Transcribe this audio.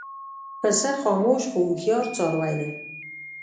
پسه خاموش خو هوښیار څاروی دی.